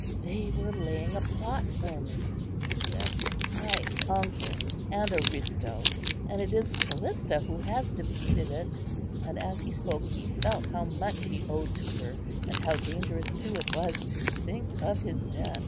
"They were laying a plot for me," he said, "my uncle and Aristo; and it is Callista who has defeated it." And as he spoke, he felt how much he owed to her, and how dangerous too it was to think of his debt.